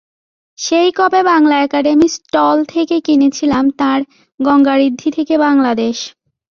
সেই কবে Bangla Academy stall থেকে কিনেছিলাম তাঁর গঙ্গাঋদ্ধি থেকে বাংলাদেশ।